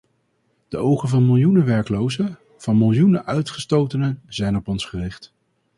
De ogen van miljoenen werklozen, van miljoenen uitgestotenen zijn op ons gericht.